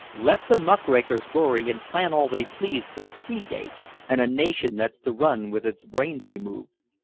Let the muckrakers worry and plan all they please for a sea gate and a nation that's to run with its brains removed.